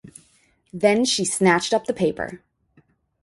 Then she snatched up the paper.